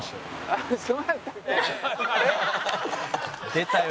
出たよ